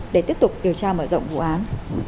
để tiếp tục điều tra mở rộng vụ án